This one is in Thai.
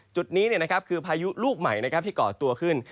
จุดนี้คือพายุลูกใหม่ที่ก่อตัวขึ้น